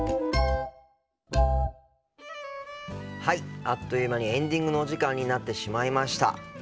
はいあっという間にエンディングのお時間になってしまいました。